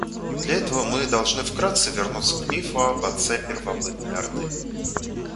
Для этого мы должны вкратце вернуться к мифу об отце первобытной орды.